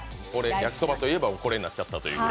焼きそばといえばこれになっちゃった？